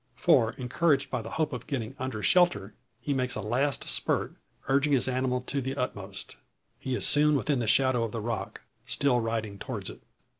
For encouraged by the hope of getting under shelter, he makes a last spurt, urging his animal to the utmost. He is soon within the shadow of the rock, still riding towards it.